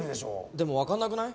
でもわからなくない？